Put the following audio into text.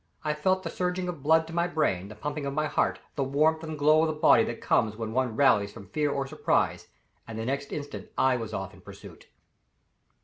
I felt the surging of blood to my brain, the pumping of my heart, the warmth and glow of the body that comes when one rallies from fear or surprise, and the next instant I was off in pursuit.